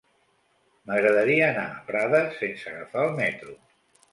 M'agradaria anar a Prades sense agafar el metro.